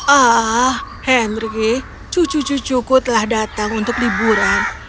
ah henry cucu cucuku telah datang untuk liburan